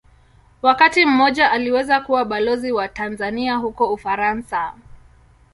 Wakati mmoja aliweza kuwa Balozi wa Tanzania huko Ufaransa.